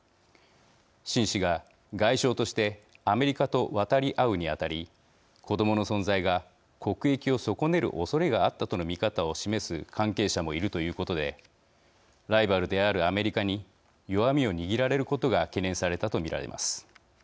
秦氏が外相としてアメリカと渡り合うにあたり子どもの存在が国益を損ねるおそれがあったとの見方を示す関係者もいるということでライバルであるアメリカに弱みを握られることが懸念されたと見られます。